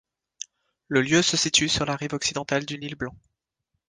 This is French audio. Le lieu se situe sur la rive occidentale du Nil Blanc.